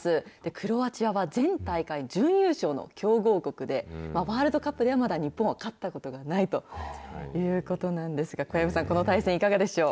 クロアチアは前大会準優勝の強豪国で、ワールドカップではまだ日本は勝ったことがないということなんですが、小籔さん、この対戦いかがでしょう。